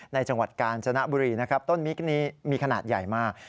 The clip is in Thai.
จังหวัดกาญจนบุรีนะครับต้นมิกนี้มีขนาดใหญ่มาก